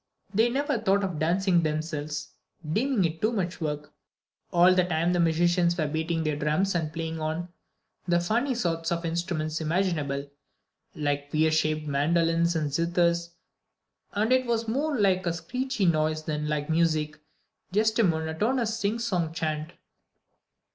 They never thought of dancing themselves, deeming it too much work. All the time the musicians were beating their drums and playing on the funniest sorts of instruments imaginable, like queer shaped mandolins and zithers; and it was more like a screechy noise than like music just a monotonous singsong chant.